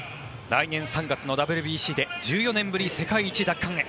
来年３月のＷＢＣで１４年ぶり世界一奪還へ。